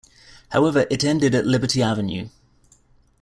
However, it ended at Liberty Avenue.